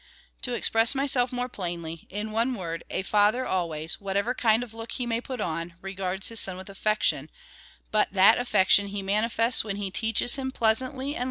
To express myself more plainly — in one word, a father always, whatever kind of look he may put on, regards his son with affection, but that af fection he manifests when he teaches him pleasantly and VOL.